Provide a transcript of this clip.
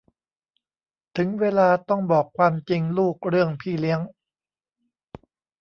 ถึงเวลาต้องบอกความจริงลูกเรื่องพี่เลี้ยง